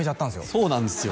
そうなんですよ